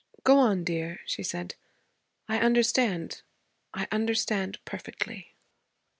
'Go on, dear,' she said. 'I understand; I understand perfectly.'